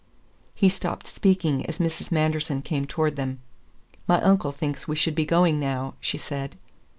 He stopped speaking as Mrs. Manderson came towards them. "My uncle thinks we should be going now," she said.